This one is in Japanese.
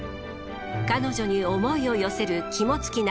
彼女に思いを寄せる肝付尚